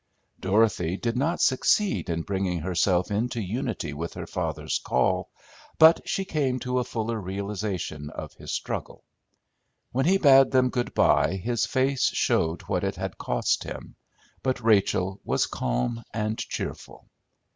Dorothy did not succeed in bringing herself into unity with her father's call, but she came to a fuller realization of his struggle. When he bade them good by his face showed what it had cost him; but Rachel was calm and cheerful.